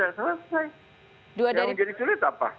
yang menjadi sulit apa